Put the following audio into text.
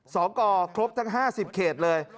สกครบทั้ง๕๐เขตเลย